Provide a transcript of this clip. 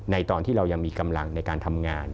ตอนที่เรายังมีกำลังในการทำงาน